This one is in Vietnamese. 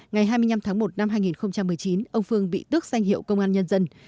ngày hai mươi năm tháng một năm hai nghìn một mươi chín ông phương bị tước danh hiệu công an nhân dân